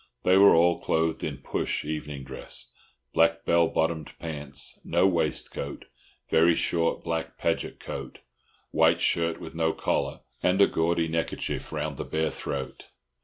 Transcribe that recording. They were all clothed in "push" evening dress—black bell bottomed pants, no waistcoat, very short black paget coat, white shirt with no collar, and a gaudy neckerchief round the bare throat.